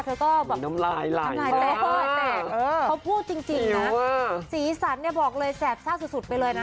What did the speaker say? เห็นแล้วเนี่ยน้ำลาย